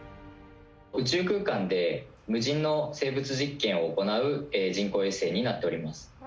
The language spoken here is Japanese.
宇宙空間で無人の生物実験を行う人工衛星になっております。